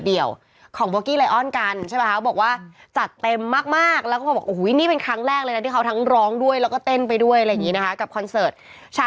เดี๋ยวนี้เขาเอาเป็นรูปหน้าตัวเองแปะแล้วจ้ะ